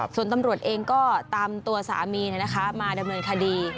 ส่วนตำรวจเองก็ตามตัวสามีมาดำเนินคดี